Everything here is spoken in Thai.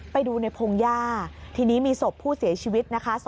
ไปดูในพงหญ้าทีนี้มีศพผู้เสียชีวิตนะคะ